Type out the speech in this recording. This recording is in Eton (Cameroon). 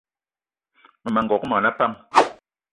Mmema n'gogué mona pam